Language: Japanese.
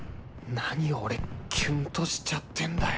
何俺キュンとしちゃってんだよ